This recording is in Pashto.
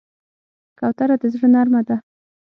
کوتره د زړه نرمه ده.